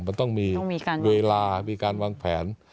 มันต้องมีเวลามีการวางแผน